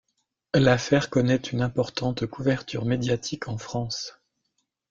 L'affaire connaît une importante couverture médiatique en France.